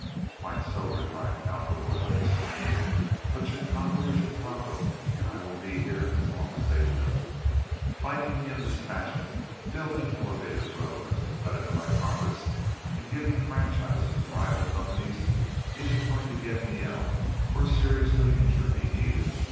"Quite so," replied Cowperwood, undismayed; "but Chicago is Chicago, and I will be here as long as they will. Fighting me in this fashion—building elevated roads to cut into my profits and giving franchises to rival companies—isn't going to get me out or seriously injure me, either.